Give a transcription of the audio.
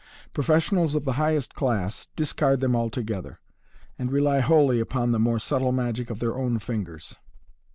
Professionals of the highest class discard them altogether, and rely wholly on the more subtle magic of their own fingers.